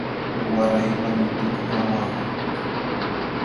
Waraypami tukuqa waqan.